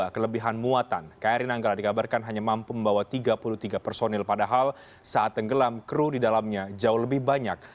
kelebihan muatan kri nanggala dikabarkan hanya mampu membawa tiga puluh tiga personil padahal saat tenggelam kru di dalamnya jauh lebih banyak